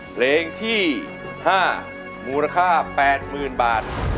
เพลงที่๕มูลค่า๘๐๐๐บาท